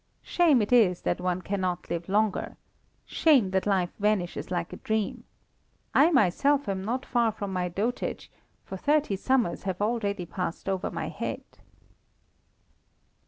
Shame it is that one cannot live longer. Shame that life vanishes like a dream. I myself am not far from my dotage, for thirty summers have already passed over my head!"